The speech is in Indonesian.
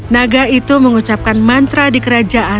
naga itu mengucapkan mantra di kerajaan